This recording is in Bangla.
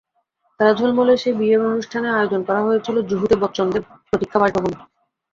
তারা ঝলমলে সেই বিয়ের অনুষ্ঠানের আয়োজন করা হয়েছিল জুহুতে বচ্চনদের প্রতীক্ষা বাসভবনে।